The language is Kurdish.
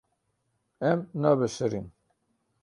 Em nabişirin.